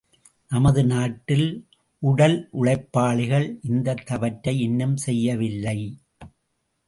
நமது நாட்டில் உடலுழைப்பாளிகள் இந்தத் தவற்றை இன்னும் செய்யவில்லை!